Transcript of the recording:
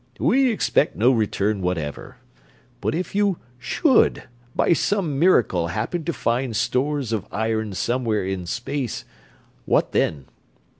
We expect no return whatever, but if you should by some miracle happen to find stores of iron somewhere in space, what then?